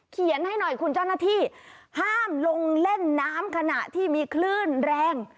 ให้หน่อยคุณเจ้าหน้าที่ห้ามลงเล่นน้ำขณะที่มีคลื่นแรง